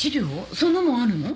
そんなもんあるの？